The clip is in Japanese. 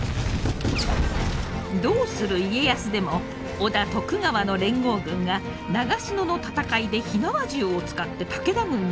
「どうする家康」でも織田・徳川の連合軍が長篠の戦いで火縄銃を使って武田軍に大勝利。